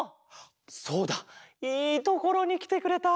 そうだいいところにきてくれた。